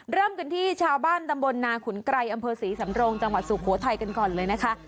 เริ่มกันที่ชาวบ้านตำบลนาขุนไกรอำเภอศรีสำโรงจังหวัดสุโขทัยกันก่อนเลยนะคะ